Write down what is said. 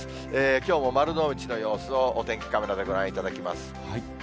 きょうも丸の内の様子をお天気カメラでご覧いただきます。